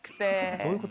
どういうこと？